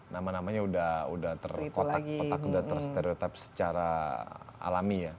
nama namanya sudah terkotak kotak sudah ter stereotip secara alami ya